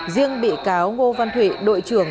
riêng bị cáo ngô văn thụy đội trưởng